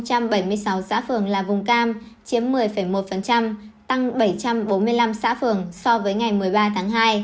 trong bảy mươi sáu xã phường là vùng cam chiếm một mươi một tăng bảy trăm bốn mươi năm xã phường so với ngày một mươi ba tháng hai